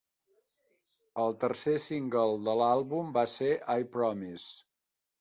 El tercer single de l'àlbum va ser "I Promise".